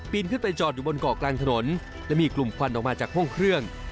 ขึ้นไปจอดอยู่บนเกาะกลางถนนและมีกลุ่มควันออกมาจากห้องเครื่อง